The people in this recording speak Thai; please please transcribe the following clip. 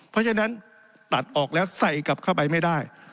เพราะฉะนั้นตัดออกแล้วใส่กลับเข้าไปไม่ได้